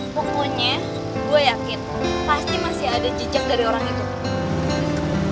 pokoknya gue yakin pasti masih ada jejak dari orang itu